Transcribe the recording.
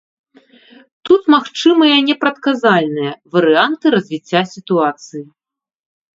Тут магчымыя непрадказальныя варыянты развіцця сітуацыі.